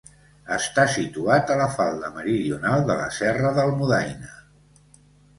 Està situat a la falda meridional de la Serra d'Almudaina.